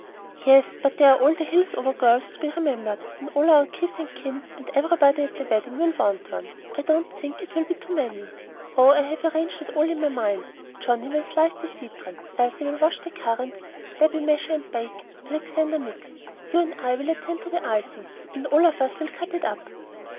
"Yes; but there are all the Hillsover girls to be remembered, and all our kith and kin, and everybody at the wedding will want one. I don't think it will be too many. Oh, I have arranged it all in my mind. Johnnie will slice the citron, Elsie will wash the currants, Debby measure and bake, Alexander mix, you and I will attend to the icing, and all of us will cut it up."